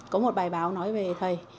có một bài báo nói về thầy